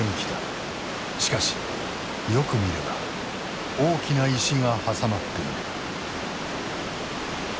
しかしよく見れば大きな石が挟まっている。